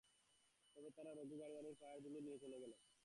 তবে তারা বুধে গাড়োয়ানের পায়ের ধুলো নিয়ে চলে গেল।